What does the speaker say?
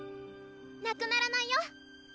なくならないよ。